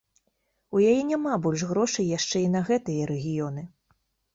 У яе няма больш грошай яшчэ і на гэтыя рэгіёны.